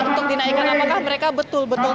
untuk dinaikkan apakah mereka betul betul